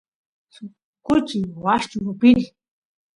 suk kuchi washchu apini